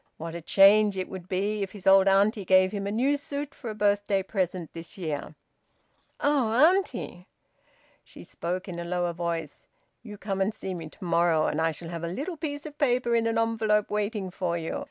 What a change it would be if his old auntie gave him a new suit for a birthday present this year!'" "Oh, auntie." She spoke in a lower voice. "You come and see me to morrow, and I shall have a little piece of paper in an envelope waiting for you.